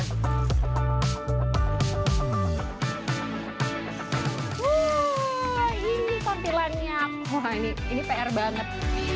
ini portilannya wah ini pr banget